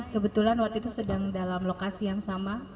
kebetulan waktu itu sedang dalam lokasi yang sama